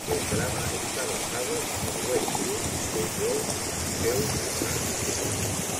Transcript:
El drama está basado en el webtoon de Jo Keum-san.